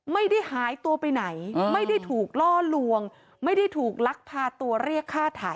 ไม่ได้หายตัวไปไหนไม่ได้ถูกล่อลวงไม่ได้ถูกลักพาตัวเรียกค่าถ่าย